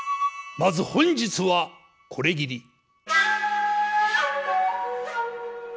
まず本日はこれぎり。